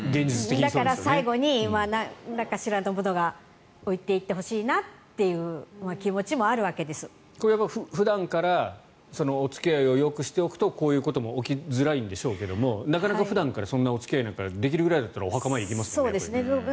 だから最後に何かしらのものを置いていってほしいなという普段からお付き合いをよくしておくとこういうことも起きづらいんでしょうけれどもなかなか普段からそんなお付き合いなんかできるぐらいだったらお墓参り行きますよね。